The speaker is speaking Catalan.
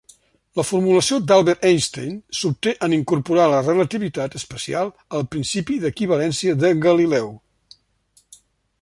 La formulació d'Albert Einstein s'obté en incorporar la relativitat especial al principi d'equivalència de Galileu.